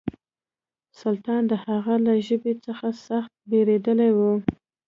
سلطان د هغه له ژبې څخه سخت بېرېدلی و.